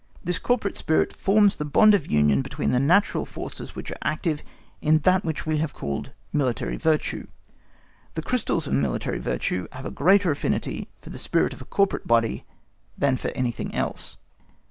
This corporate spirit forms the bond of union between the natural forces which are active in that which we have called military virtue. The crystals of military virtue have a greater affinity for the spirit of a corporate body than for anything else.